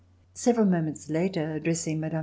Several moments later, addressing Mme.